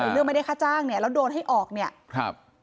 เรื่องไม่ได้ค่าจ้างเนี่ยแล้วโดนให้ออกเนี่ยครับ